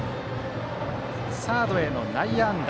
サードへの内野安打。